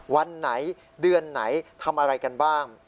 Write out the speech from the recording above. วันไหนเดือนไหนทำอะไรกันบ้าง